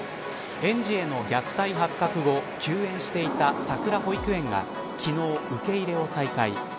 園児への虐待発覚後休園していた、さくら保育園が昨日、受け入れを再開。